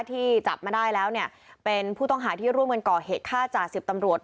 ที่จับมาได้แล้วเนี่ยเป็นผู้ต้องหาที่ร่วมกันก่อเหตุฆ่าจ่าสิบตำรวจ